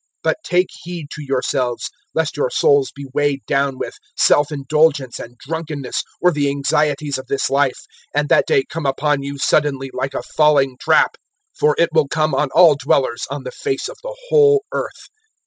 021:034 "But take heed to yourselves, lest your souls be weighed down with self indulgence and drunkenness or the anxieties of this life, and that day come upon you, suddenly, like a falling trap; 021:035 for it will come on all dwellers on the face of the whole earth.